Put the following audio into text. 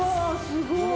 すごい！